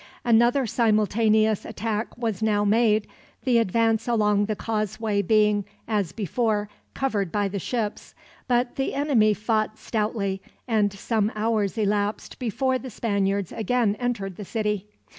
Another simultaneous attack was now made, the advance along the causeway being, as before, covered by the ships; but the enemy fought stoutly, and some hours elapsed before the Spaniards again entered the city.